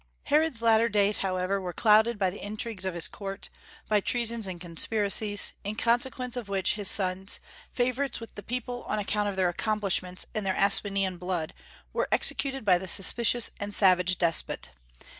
Herod's latter days however were clouded by the intrigues of his court, by treason and conspiracies, in consequence of which his sons, favorites with the people on account of their accomplishments and their Asmonean blood, were executed by the suspicious and savage despot.